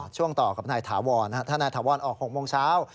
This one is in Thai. ช่วงต่อกับนายถาวรถ้านายถาวรออก๖โมงเช้า